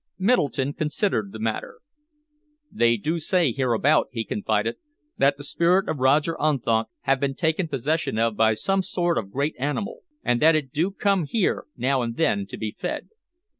Middleton considered the matter. "They do say hereabout," he confided, "that the spirit of Roger Unthank have been taken possession of by some sort of great animal, and that it do come here now and then to be fed."